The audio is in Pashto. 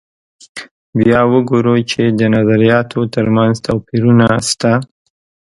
بیا وګورو چې د نظریاتو تر منځ توپیرونه شته.